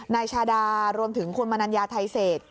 นายชาดารวมถึงคุณมนัญญาไทยเศษ